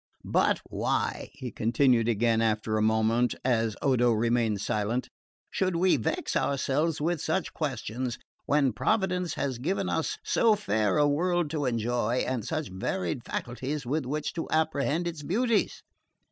But why," he continued again after a moment, as Odo remained silent, "should we vex ourselves with such questions, when Providence has given us so fair a world to enjoy and such varied faculties with which to apprehend its beauties?